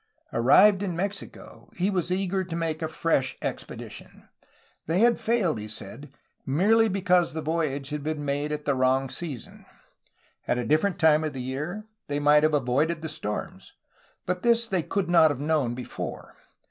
Arrived in Mexico he was eager to make a fresh expedition. They had failed, he said, merely because the voyage had been made at the wrong season. At a different time of the year they might have avoided the storms, but this they could not have known before.